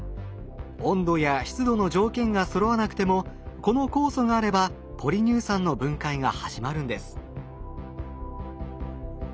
温度や湿度の条件がそろわなくてもこの酵素があればポリ乳酸の分解が始まるんです。